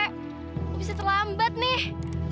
aku bisa terlambat nih